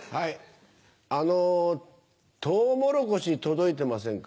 あのトウモロコシ届いてませんか？